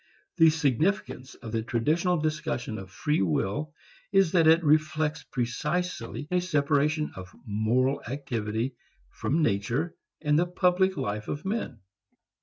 The significance of the traditional discussion of free will is that it reflects precisely a separation of moral activity from nature and the public life of men.